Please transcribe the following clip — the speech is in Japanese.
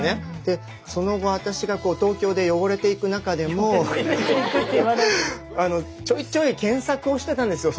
その後私が東京で汚れていく中でもちょいちょい検索をしてたんですよ